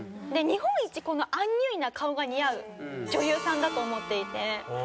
日本一このアンニュイな顔が似合う女優さんだと思っていて。